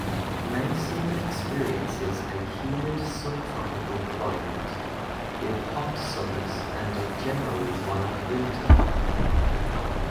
Mason experiences a humid subtropical climate, with hot summers and a generally mild winter.